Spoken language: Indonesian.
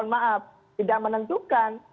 maaf tidak menentukan